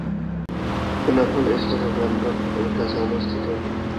বেনাপোল স্থলবন্দর এর কাছে অবস্থিত এটি।